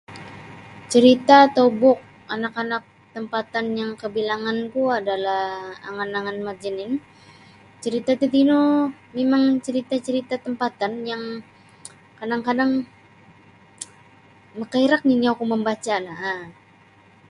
Carita' atau buk anak-anak tampatan yang kabilanganku adalah angan-angan Mat Jenin. Carita' tatino mimang carita'-carita' tampatan yang kadang-kadang makairak nini' oku mambaca' no um.